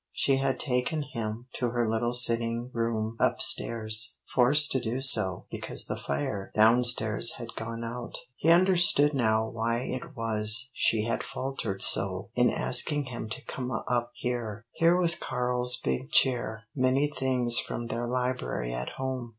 She had taken him to her little sitting room up stairs, forced to do so because the fire down stairs had gone out. He understood now why it was she had faltered so in asking him to come up here. Here was Karl's big chair many things from their library at home.